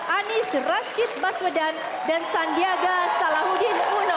anies rashid baswedan dan sandiaga salahuddin uno